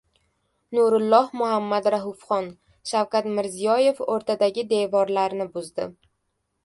Nurulloh Muhammad Raufxon: "Shavkat Mirziyoev o‘rtadagi "devor"larni buzdi..."